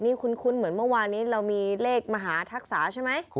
นี่คุ้นเหมือนเมื่อวานนี้เรามีเลขมหาทักษะใช่ไหม